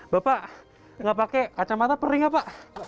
bapak nggak pakai kacamata perih nggak pak